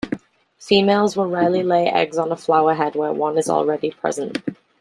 Females will rarely lay eggs on a flower head where one is already present.